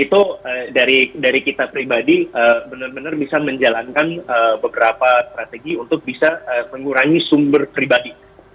itu dari kita pribadi benar benar bisa menjalankan beberapa strategi untuk bisa mengurangi sumber pribadi